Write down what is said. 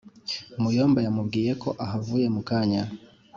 muyomba yamubwiyeko ahavuye mu kanya